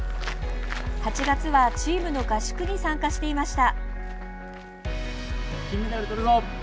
８月は、チームの合宿に参加していました。